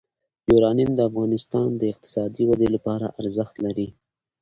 یورانیم د افغانستان د اقتصادي ودې لپاره ارزښت لري.